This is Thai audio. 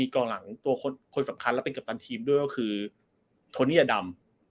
กองหลังตัวคนสำคัญและเป็นกัปตันทีมด้วยก็คือโทเนียดำ